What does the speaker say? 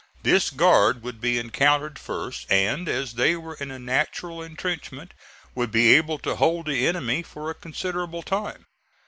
This guard would be encountered first and, as they were in a natural intrenchment, would be able to hold the enemy for a considerable time.